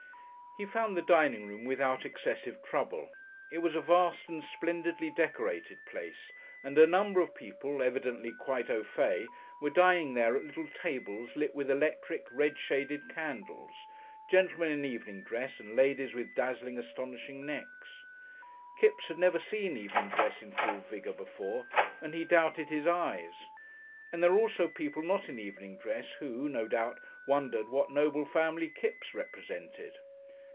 He found the dining room without excessive trouble. It was a vast and splendidly decorated place, and a number of people, evidently quite au fait, were dining there at little tables lit with electric, red shaded candles, gentlemen in evening dress, and ladies with dazzling, astonishing necks. Kipps had never seen evening dress in full vigour before, and he doubted his eyes. And there were also people not in evening dress who, no doubt, wondered what noble family Kipps represented.